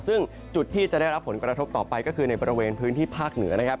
ซึ่งจุดที่จะได้รับผลกระทบต่อไปก็คือในบริเวณพื้นที่ภาคเหนือนะครับ